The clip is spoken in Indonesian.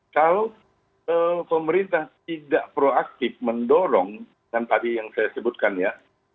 kalau pemerintah tidak proaktif mendorong dengan tadi yang saya sebutkan ya